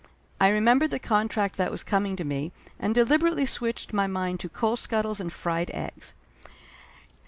I remembered the contract that was coming to me, and deliberately switched my mind to coal scuttles and fried eggs.